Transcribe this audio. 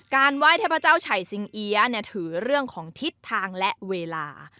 ไหว้เทพเจ้าไฉสิงเอี๊ยะเนี่ยถือเรื่องของทิศทางและเวลา